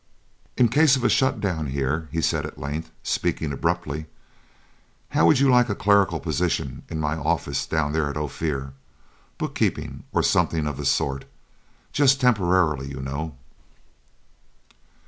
"In case of a shut down here," he said at length, speaking abruptly, "how would you like a clerical position in my office down there at Ophir, book keeping or something of the sort, just temporarily, you know?"